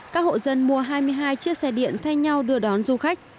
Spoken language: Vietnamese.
các hộ dân mua hai mươi hai chiếc xe điện thay nhau đưa đón du khách